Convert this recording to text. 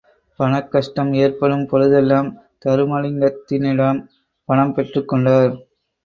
பணக் கஷ்டம் ஏற்படும் பொழுதெல்லாம், தருமலிங்கத்தினிடம் பணம் பெற்றுக் கொண்டார்.